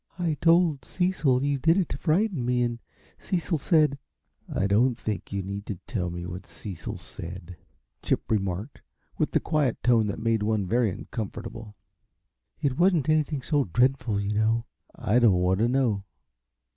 "I told Cecil you did it to frighten me, and Cecil said " "I don't think you need to tell me what Cecil said," Chip remarked, with the quiet tone that made one very uncomfortable. "It wasn't anything so dreadful, you know " "I don't want to know.